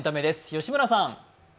吉村さん。